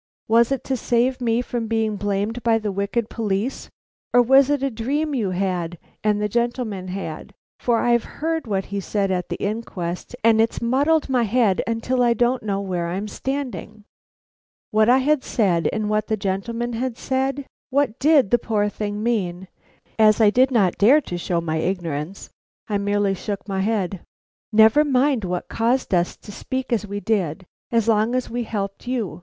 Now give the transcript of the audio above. Was it to save me from being blamed by the wicked police, or was it a dream you had, and the gentleman had, for I've heard what he said at the inquest, and it's muddled my head till I don't know where I'm standing." What I had said and what the gentleman had said! What did the poor thing mean? As I did not dare to show my ignorance, I merely shook my head. "Never mind what caused us to speak as we did, as long as we helped you.